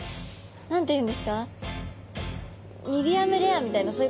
何て言うんですかそう。